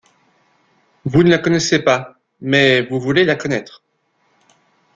vous ne la connaissez pas, mais vous voulez la connaître.